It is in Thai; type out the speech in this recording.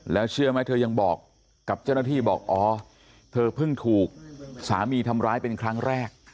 แล้วเชื่อไหมเธอยังบอกกับเจ้าหน้าที่บอกอ๋อเธอเพิ่งถูกสามีทำร้ายเป็นครั้งแรก